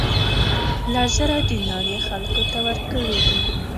لس زره دینار یې خلکو ته ورکړي دي.